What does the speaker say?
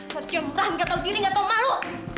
harusnya murah nggak tahu diri nggak tahu malu